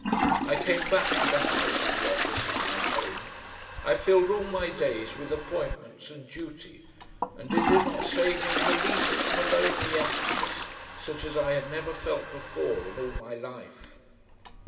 I came back to the House and the office and my home, I filled all my days with appointments and duty, and it did not save me in the least from a lonely emptiness such as I had never felt before in all my life.